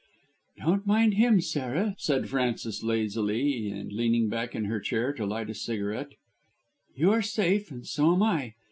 "Don't mind him, Sarah," said Frances lazily and leaning back in her chair to light a cigarette; "you are safe and so am I.